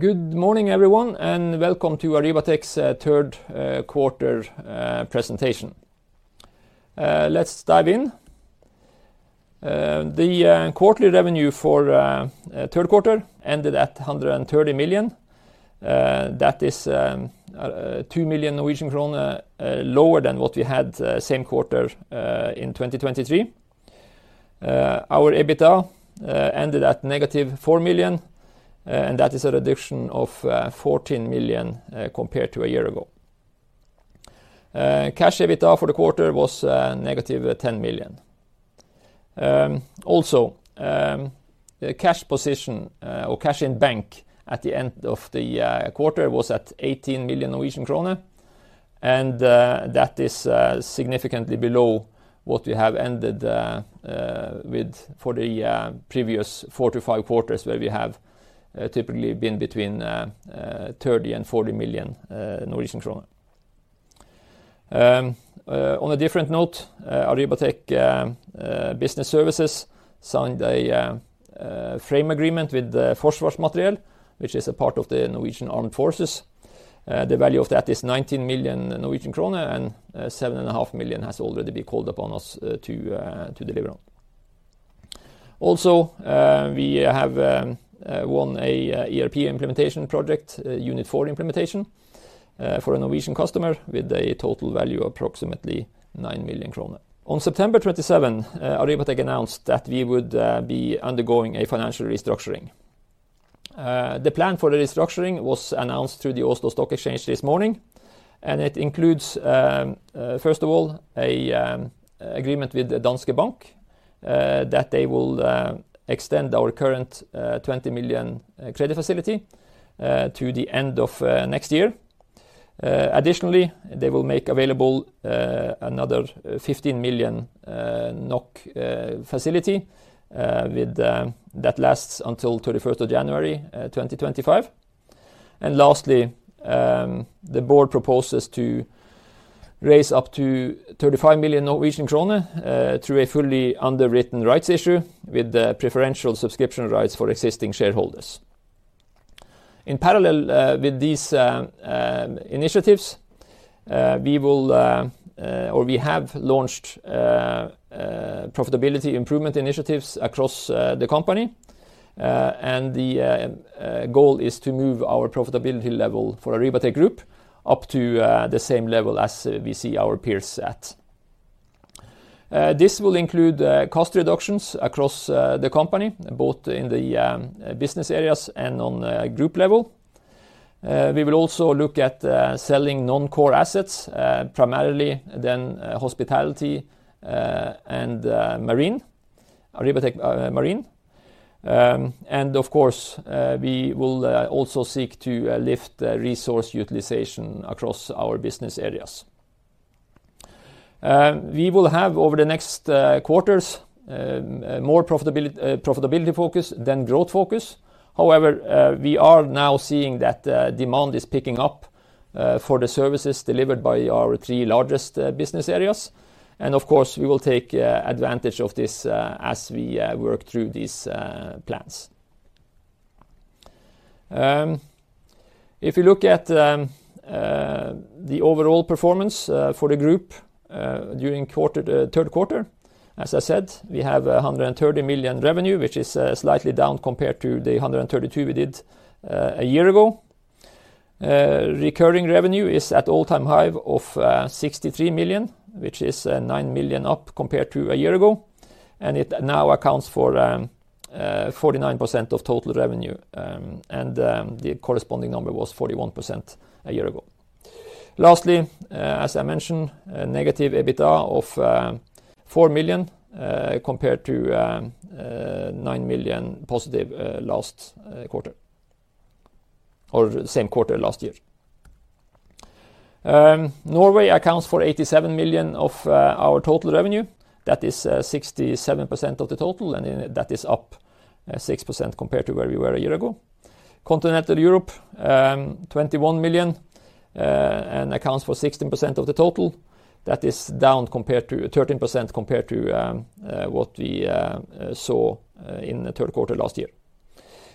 Good morning, everyone, and welcome to Arribatec's Third Quarter Presentation. Let's dive in. The quarterly revenue for the third quarter ended at 130 million. That is 2 million Norwegian krone lower than what we had the same quarter in 2023. Our EBITDA ended at negative 4 million, and that is a reduction of 14 million compared to a year ago. Cash EBITDA for the quarter was negative 10 million. Also, the cash position, or cash in bank, at the end of the quarter was at 18 million Norwegian krone, and that is significantly below what we have ended with for the previous four to five quarters, where we have typically been between 30 million and 40 million Norwegian kroner. On a different note, Arribatec Business Services signed a frame agreement with Forsvarsmateriell, which is a part of the Norwegian Armed Forces. The value of that is 19 million Norwegian krone, and 7.5 million has already been called upon us to deliver on. Also, we have won an ERP implementation project, Unit4 implementation, for a Norwegian customer with a total value of approximately 9 million kroner. On September 27, Arribatec announced that we would be undergoing a financial restructuring. The plan for the restructuring was announced through the Oslo Stock Exchange this morning, and it includes, first of all, an agreement with Danske Bank that they will extend our current 20 million credit facility to the end of next year. Additionally, they will make available another 15 million NOK facility that lasts until 31 January 2025, and lastly, the board proposes to raise up to 35 million Norwegian kroner through a fully underwritten rights issue with preferential subscription rights for existing shareholders. In parallel with these initiatives, we will, or we have launched profitability improvement initiatives across the company, and the goal is to move our profitability level for Arribatec Group up to the same level as we see our peers at. This will include cost reductions across the company, both in the business areas and on group level. We will also look at selling non-core assets, primarily then hospitality and marine, Arribatec Marine, and of course, we will also seek to lift resource utilization across our business areas. We will have, over the next quarters, more profitability focus than growth focus. However, we are now seeing that demand is picking up for the services delivered by our three largest business areas, and of course, we will take advantage of this as we work through these plans. If you look at the overall performance for the group during the third quarter, as I said, we have 130 million revenue, which is slightly down compared to the 132 million we did a year ago. Recurring revenue is at all-time high of 63 million, which is 9 million up compared to a year ago, and it now accounts for 49% of total revenue, and the corresponding number was 41% a year ago. Lastly, as I mentioned, EBITDA of -4 million compared to +9 million last quarter, or same quarter last year. Norway accounts for 87 million of our total revenue. That is 67% of the total, and that is up 6% compared to where we were a year ago. Continental Europe, 21 million, and accounts for 16% of the total. That is down compared to 13% compared to what we saw in the third quarter last year.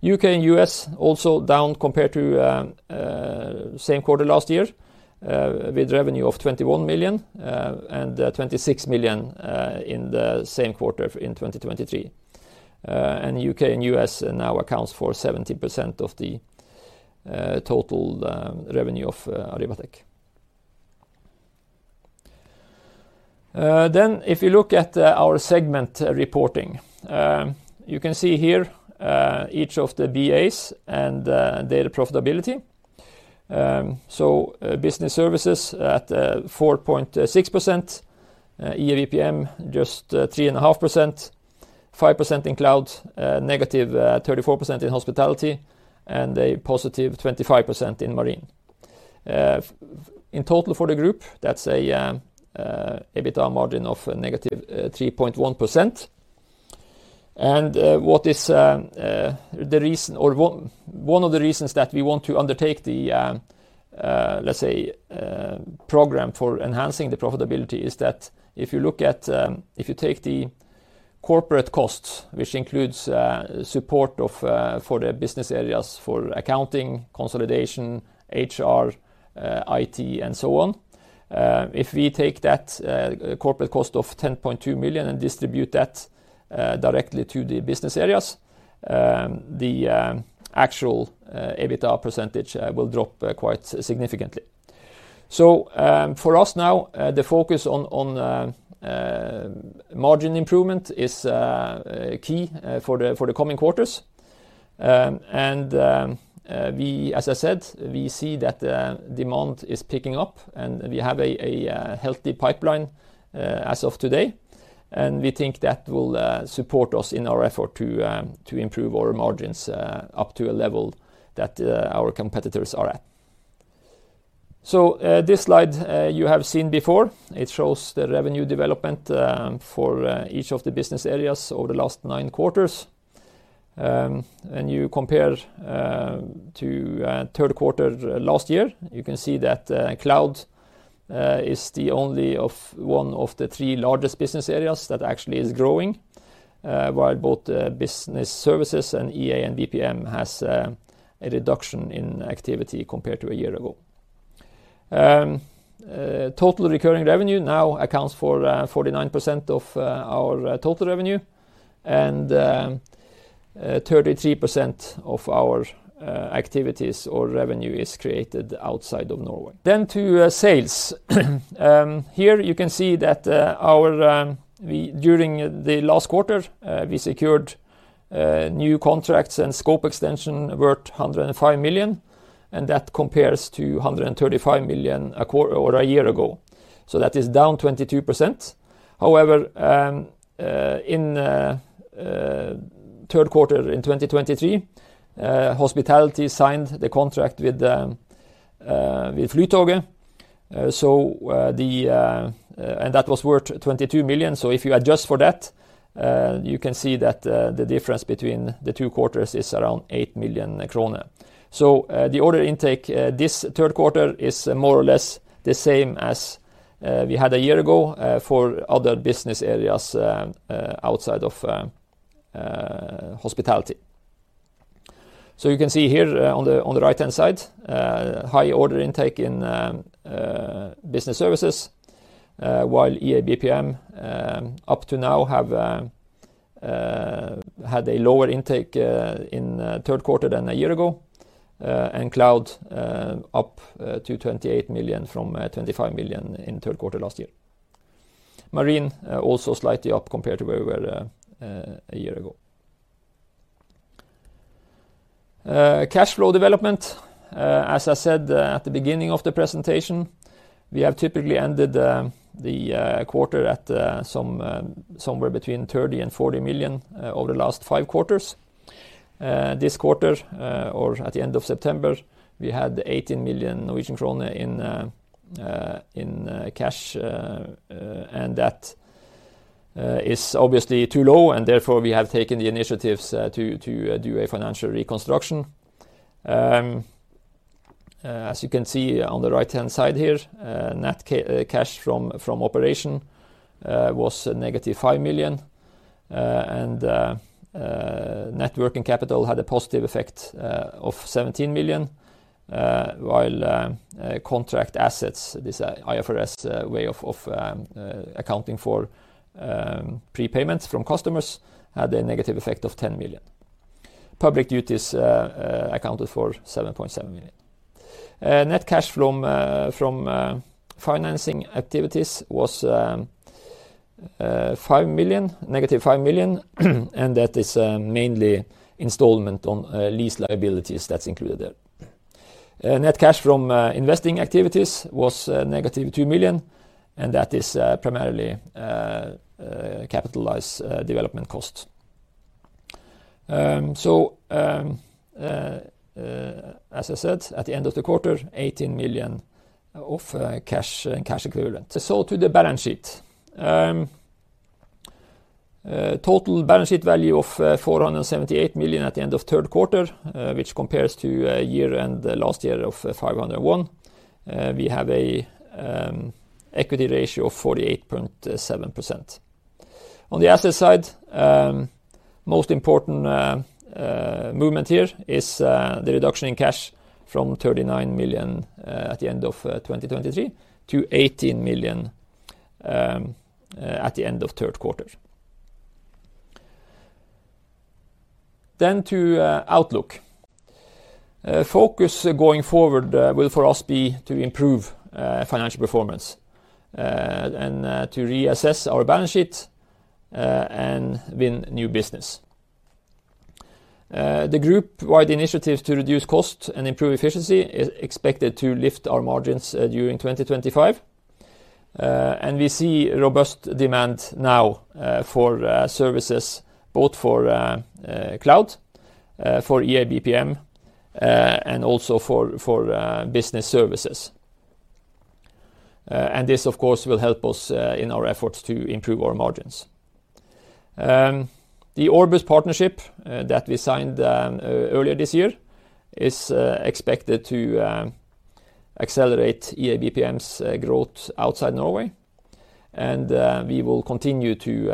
U.K. and U.S. also down compared to the same quarter last year, with revenue of 21 million and 26 million in the same quarter in 2023, and U.K. and U.S. now accounts for 70% of the total revenue of Arribatec. Then, if you look at our segment reporting, you can see here each of the BAs and their profitability. So, Business Services at 4.6%, EA & BPM just 3.5%, 5% in Cloud, -34% in Hospitality, and a +25% in Marine. In total for the group, that's an EBITDA margin of -3.1%. And what is the reason, or one of the reasons that we want to undertake the, let's say, program for enhancing the profitability is that if you look at, if you take the corporate costs, which includes support for the business areas for accounting, consolidation, HR, IT, and so on, if we take that corporate cost of 10.2 million and distribute that directly to the business areas, the actual EBITDA percentage will drop quite significantly. So, for us now, the focus on margin improvement is key for the coming quarters. And we, as I said, we see that demand is picking up, and we have a healthy pipeline as of today, and we think that will support us in our effort to improve our margins up to a level that our competitors are at. So, this slide you have seen before, it shows the revenue development for each of the business areas over the last nine quarters. When you compare to third quarter last year, you can see that cloud is the only one of the three largest business areas that actually is growing, while both Business Services and EA and BPM has a reduction in activity compared to a year ago. Total recurring revenue now accounts for 49% of our total revenue, and 33% of our activities or revenue is created outside of Norway. Then to sales. Here you can see that during the last quarter, we secured new contracts and scope extension worth 105 million, and that compares to 135 million a year ago. So that is down 22%. However, in third quarter in 2023, hospitality signed the contract with Flytoget, and that was worth 22 million. If you adjust for that, you can see that the difference between the two quarters is around 8 million kroner. The order intake this third quarter is more or less the same as we had a year ago for other business areas outside of hospitality. You can see here on the right-hand side, high order intake in business services, while EA & BPM up to now have had a lower intake in third quarter than a year ago, and cloud up to 28 million from 25 million in third quarter last year. Marine also slightly up compared to where we were a year ago. Cash flow development, as I said at the beginning of the presentation, we have typically ended the quarter at somewhere between 30 million and 40 million over the last five quarters. This quarter, or at the end of September, we had 18 million Norwegian krone in cash, and that is obviously too low, and therefore we have taken the initiatives to do a financial reconstruction. As you can see on the right-hand side here, net cash from operation was -5 million, and net working capital had a positive effect of 17 million, while contract assets, this IFRS way of accounting for prepayments from customers, had a negative effect of 10 million. Public duties accounted for 7.7 million. Net cash from financing activities was -5 million, and that is mainly installment on lease liabilities that's included there. Net cash from investing activities was -2 million, and that is primarily capitalized development cost. So, as I said, at the end of the quarter, 18 million of cash equivalent. Let's go to the balance sheet. Total balance sheet value of 478 million at the end of third quarter, which compares to year and last year of 501 million. We have an equity ratio of 48.7%. On the asset side, most important movement here is the reduction in cash from 39 million at the end of 2023 to 18 million at the end of third quarter, then to outlook. Focus going forward will for us be to improve financial performance and to reassess our balance sheet and win new business. The group-wide initiatives to reduce cost and improve efficiency are expected to lift our margins during 2025, and we see robust demand now for services, both for Cloud, for EA & BPM, and also for Business Services, and this, of course, will help us in our efforts to improve our margins. The Orbus partnership that we signed earlier this year is expected to accelerate EA & BPM's growth outside Norway, and we will continue to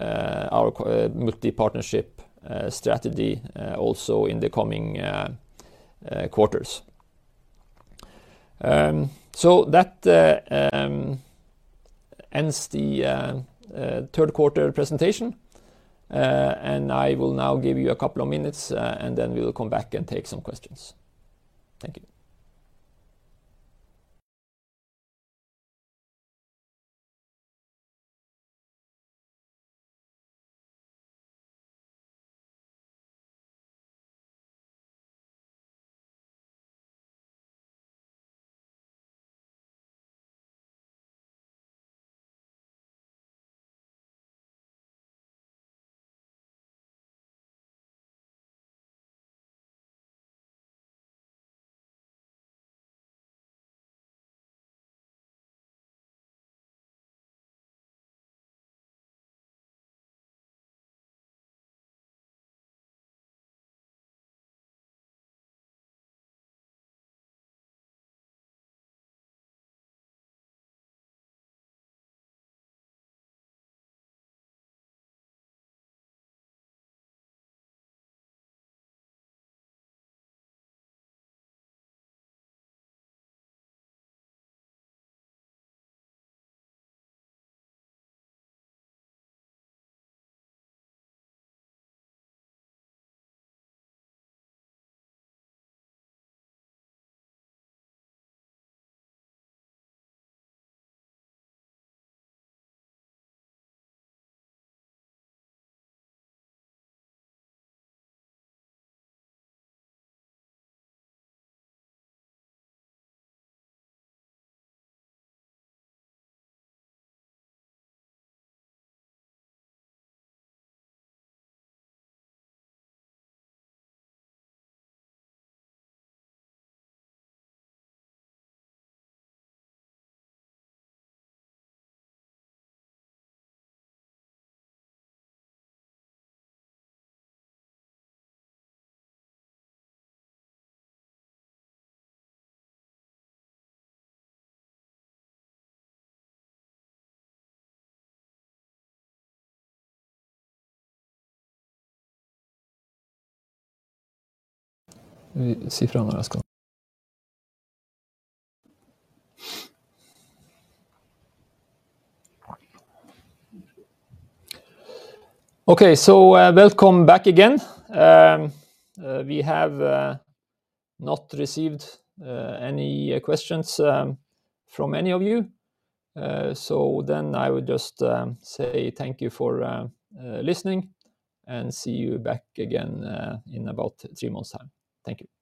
our multi-partnership strategy also in the coming quarters, so that ends the third quarter presentation, and I will now give you a couple of minutes, and then we'll come back and take some questions. Thank you. Okay, so welcome back again. We have not received any questions from any of you, so then I would just say thank you for listening and see you back again in about three months' time. Thank you.